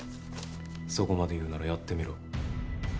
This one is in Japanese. そこまで言うんならやってみろ。